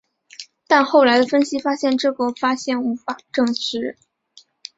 但后来的分析发现这个发现无法证实。